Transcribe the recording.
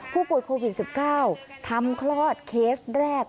ผู้ป่วยโควิด๑๙ทำคลอดเคสแรก